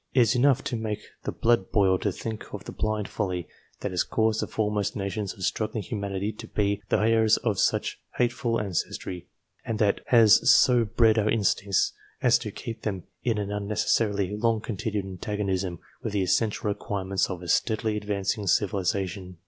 It is enough to make the blood boil to think of the blind folly that has caused the foremost nations of struggling humanity to be the heirs of such hateful ancestry, and that has so bred our instincts as to keep them in an unnecessarily long continued antagonism with the essential requirements of a steadily advancing civilization.